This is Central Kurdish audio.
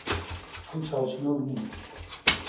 ئەو چاوچنۆک نییە.